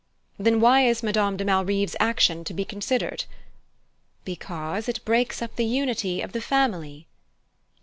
"Then why is Madame de Malrive's action to be considered?" "Because it breaks up the unity of the family."